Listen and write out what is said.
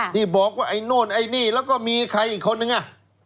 ที่บอกว่าไอ้โน่นไอ้นี่แล้วก็มีใครอีกคนนึงอ่ะ